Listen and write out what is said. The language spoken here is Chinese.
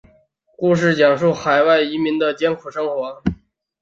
故事讲述海外移民的艰苦生活。